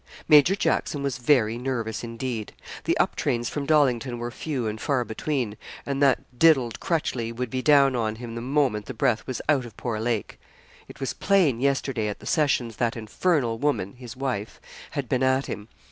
Major Jackson was very nervous, indeed. The up trains from Dollington were 'few and far between,' and that diddled Crutchleigh would be down on him the moment the breath was out of poor Lake. 'It was plain yesterday at the sessions that infernal woman (his wife) had been at him.